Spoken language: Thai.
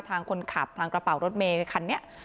ทางคนขับทางกระเป๋ารถเมย์คันนี้